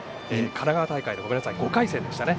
神奈川大会の５回戦でしたね。